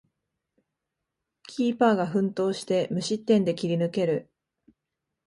キーパーが奮闘して無失点で切り抜ける